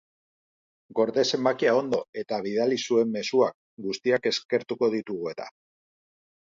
Gorde zenbakia ondo, eta bidali zuen mezuak, guztiak eskertuko ditugu eta!